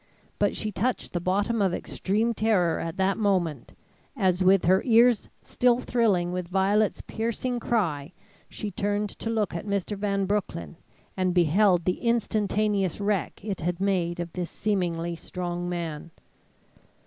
But she touched the bottom of extreme terror at that moment, as with her ears still thrilling with Violet's piercing cry, she turned to look at Mr. Van Broecklyn, and beheld the instantaneous wreck it had made of this seemingly strong man.